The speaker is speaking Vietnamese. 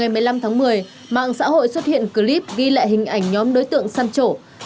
vào ngày một mươi năm tháng một mươi mạng xã hội xuất hiện clip ghi lại hình ảnh nhóm đối tượng săn trổ